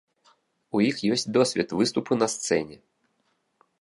У іх ёсць досвед выступу на сцэне.